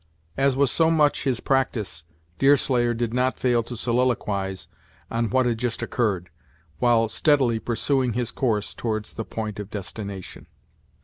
As was so much his practice, Deerslayer did not fail to soliloquize on what had just occurred, while steadily pursuing his course towards the point of destination.